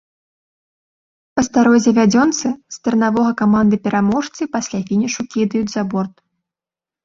Па старой завядзёнцы, стырнавога каманды-пераможцы пасля фінішу кідаюць за борт.